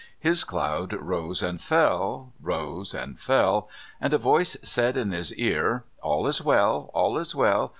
His cloud rose and fell, rose and fell, and a voice said in his ear: "All is well! All is well!